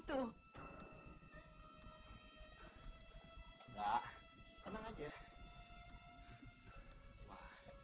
enggak tenang aja